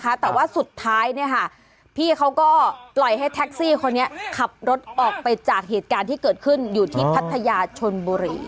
แต่ว่าสุดท้ายเนี่ยค่ะพี่เขาก็ปล่อยให้แท็กซี่คนนี้ขับรถออกไปจากเหตุการณ์ที่เกิดขึ้นอยู่ที่พัทยาชนบุรี